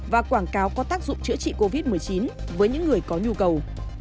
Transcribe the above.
và quảng cáo có tác dụng chữa trị covid một mươi chín với những người có nhu cầu